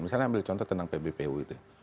misalnya ambil contoh tentang pbpu itu ya